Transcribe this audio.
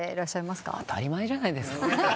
当たり前じゃないですか。